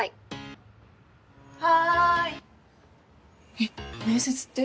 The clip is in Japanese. えっ面接って？